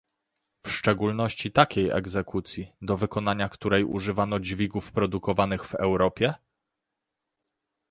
W szczególności takiej egzekucji, do wykonania której używano dźwigów produkowanych w Europie?